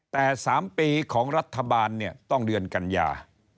แต่๓ปีของรัฐบาลต้องเดือนกัญญา